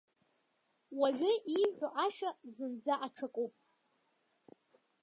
Уажәы ииҳәо ашәа зынӡа аҽакуп.